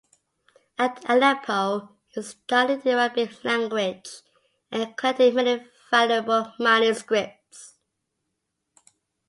At Aleppo he studied the Arabic language, and collected many valuable manuscripts.